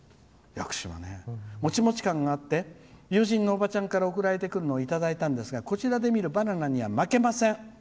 もちもち感があって友人のおばちゃんから送られてくるのをいただいたんですけどこちらで見るバナナには負けません。